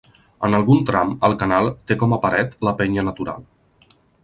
En algun tram, el canal té com a paret la penya natural.